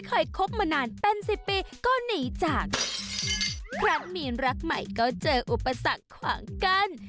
ครั้งมีรักใหม่ก็เจออุปสรรคขวางกัน